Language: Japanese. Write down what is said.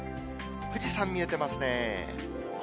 富士山、見えてますね。